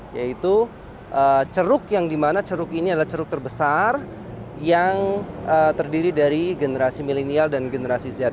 yaitu ceruk yang dimana ceruk ini adalah ceruk terbesar yang terdiri dari generasi milenial dan generasi z